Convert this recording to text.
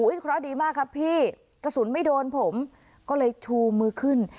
เพราะดีมากครับพี่กระสุนไม่โดนผมก็เลยชูมือขึ้น